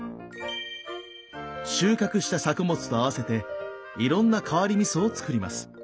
収穫した作物と合わせていろんな変わりみそをつくります。